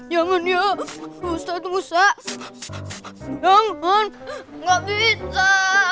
jangan ya ustadz musa jangan nggak bisa